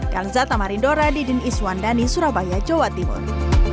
gang zatamarin dora di diniswandani surabaya jawa timur